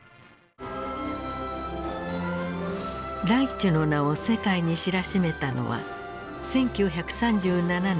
ライチュの名を世界に知らしめたのは１９３７年